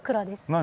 何？